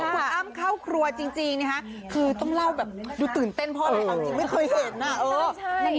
คุณอ้ำเข้าครัวจริงนะคะคือต้องเล่าแบบดูตื่นเต้นเพราะอะไรเอาจริงไม่เคยเห็นอ่ะ